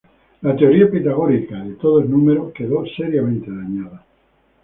La teoría pitagórica de "todo es número" quedó seriamente dañada.